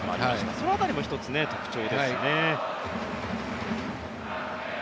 その辺りも１つ、特徴ですね。